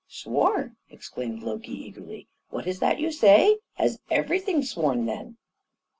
"Sworn!" exclaimed Loki, eagerly; "what is that you say? Has everything sworn then?"